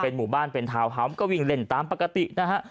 หมู่บ้านเป็นทาวน์ฮาวส์ก็วิ่งเล่นตามปกตินะฮะ